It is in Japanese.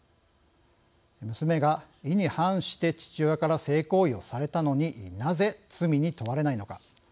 娘が意に反して父親から性行為をされたのになぜ罪に問われないのか。